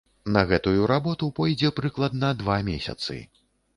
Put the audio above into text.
На гэтую работу пойдзе прыкладна два месяцы.